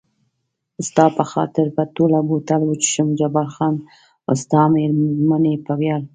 ستا په خاطر به ټوله بوتل وڅښم، جبار خان ستا د مېرمنې په ویاړ.